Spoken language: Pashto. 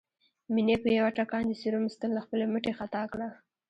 مينې په يوه ټکان د سيروم ستن له خپلې مټې خطا کړه